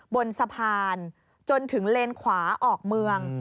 บนสะพานจนถึงเลนขวาออกเมือง